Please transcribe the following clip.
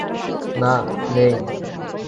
না, নেই।